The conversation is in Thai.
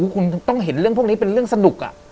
คุณต้องเห็นเรื่องพวกนี้เป็นเรื่องสนุก